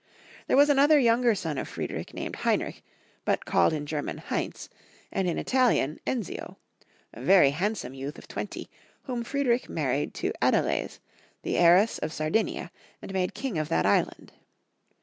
There was another younger son of Friedrich named Hein rich, but called in German Heinz, and in Italian Enzio, a very handsome youth of twenty, whom Friedrich married to Adelais, the heiress of Sar dinia, and made king of that island.